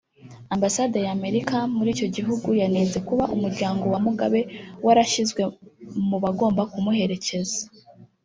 Ambasade ya Amerika muri icyo gihugu yanenze kuba Umuryango wa Mugabe warashyizwe mu bagomba kumuherekeza